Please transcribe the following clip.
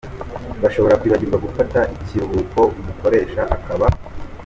bashobora kwibagirwa gufata ikiruhuko, umukoresha akaba